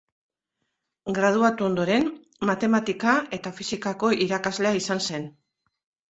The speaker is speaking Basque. Graduatu ondoren, matematika eta fisikako irakasle izan zen.